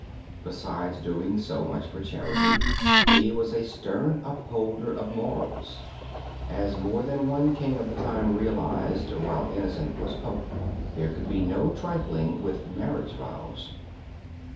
Besides doing so much for charity, he was a stern upholder of morals. As more than one king of the time realized while Innocent was Pope, there could be no trifling with marriage vows.